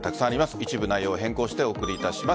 一部内容を変更してお送りいたします。